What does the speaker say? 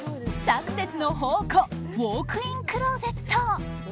サクセスの宝庫ウォークインクローゼット。